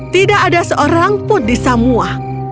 tidak ada seorang pun di samua